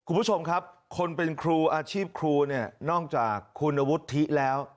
คุณผู้ชมครับคนเป็นครูอาชีพครูเนี่ยนอกจากคุณวุฒิแล้ว